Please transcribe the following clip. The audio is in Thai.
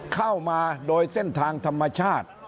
เข้ามาโดยเส้นทางธรรมชาติ